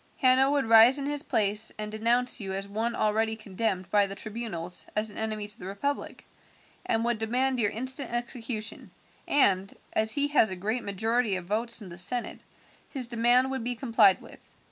Hanno would rise in his place and denounce you as one already condemned by the tribunals as an enemy to the republic, and would demand your instant execution, and, as he has a great majority of votes in the senate, his demand would be complied with.